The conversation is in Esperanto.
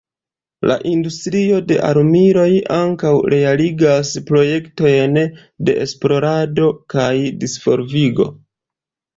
La industrio de armiloj ankaŭ realigas projektojn de esplorado kaj disvolvigo.